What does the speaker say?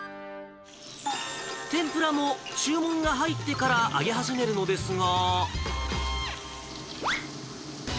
天ぷらも注文が入ってから揚げ始めるのですが。